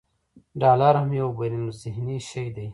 ډالر هم یو بینالذهني شی دی.